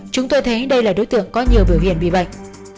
chúng tôi thấy đây là đối tượng có nhiều biểu hiện bị bệnh